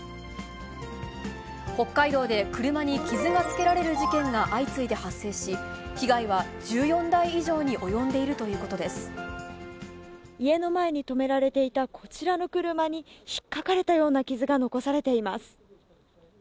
北海道で車に傷がつけられる事件が相次いで発生し、被害は１４台以上に及んでいるというこ家の前に止められていたこちらの車に、ひっかかれたような傷が残されています。